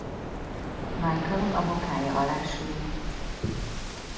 Michael a bokája alá süllyedt.